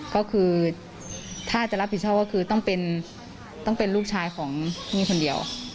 ก็คือถ้าจะรับผิดชอบก็คือต้องเป็นลูกชายของนี่คนเดียว